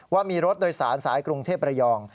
ว่ามีรถโดยสารสายกรุงเทพระยอง